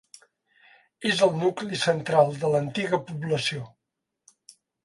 És el nucli central de l'antiga població.